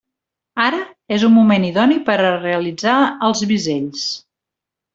Ara, és un moment idoni per a realitzar els bisells.